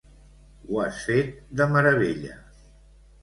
Ho has fet de meravella.